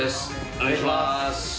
お願いします！